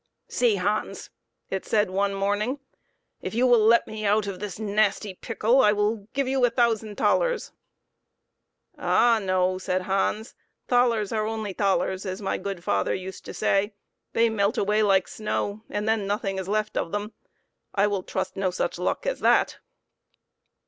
" See, Hans," it said one morning ;" if you will let me out of this nasty pickle I will give you a thousand thalers." " Ah no !" said Hans. "^Thalers are only thalers, as my good father used to say. They melt away like snow, and then nothing is left of them. I will trust no such luck as that!"